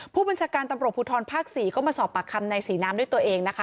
ผู้บัญชาการตำรวจภูทรภาค๔ก็มาสอบปากคำในศรีน้ำด้วยตัวเองนะคะ